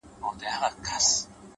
خپل ژوند په ارزښتونو ودروئ’